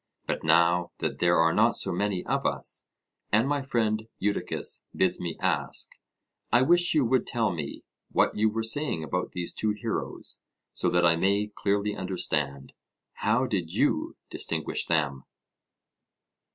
But now that there are not so many of us, and my friend Eudicus bids me ask, I wish you would tell me what you were saying about these two heroes, so that I may clearly understand; how did you distinguish them?